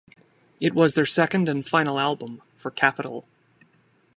It was their second and final album for Capitol.